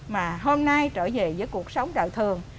mà hôm nay trở về với cuộc sống đạo thường